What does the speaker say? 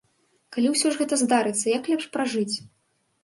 Калі ўсё ж гэта здарыцца, як лепш пражыць?